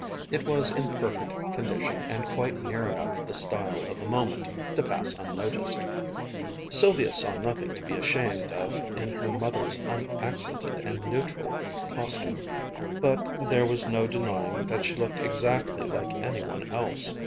It was in perfect condition and quite near enough the style of the moment to pass unnoticed. Sylvia saw nothing to be ashamed of in her mother's unaccented and neutral costume, but there was no denying that she looked exactly like any one else.